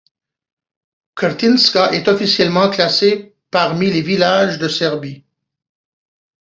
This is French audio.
Krtinska est officiellement classée parmi les villages de Serbie.